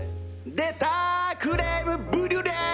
出たクレームブリュレ！